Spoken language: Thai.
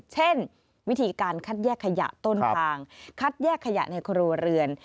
เช่นวิธีการคัดแยกขยะต้นทางคัดแยกขยะในครัวเรือน